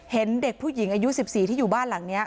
เห็นเด็กผู้หญิงอายุ๑๔ที่อยู่บ้านหลังนี้